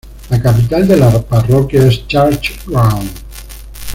La capital de la parroquia es Church Ground.